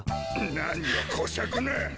何をこしゃくな！